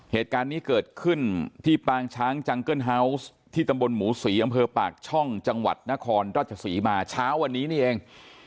เหตุการณ์นี้เกิดขึ้นที่ปางช้างจังเกิ้ลเฮาวส์ที่ตำบลหมูศรีอำเภอปากช่องจังหวัดนครราชศรีมาเช้าวันนี้นี่เอง